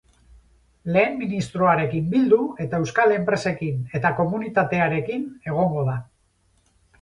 Lehen ministroarekin bildu, eta euskal enpresekin eta komunitatearekin egongo da.